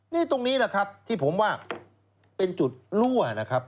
นี่ตรงนี้แหละครับที่ผมว่าเป็นจุดรั่วนะครับ